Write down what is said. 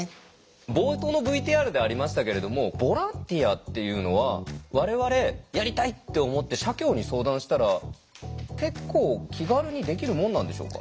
冒頭のＶＴＲでありましたけれどもボランティアっていうのは我々「やりたい」って思って社協に相談したら結構気軽にできるもんなんでしょうか？